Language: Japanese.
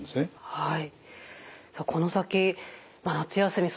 はい。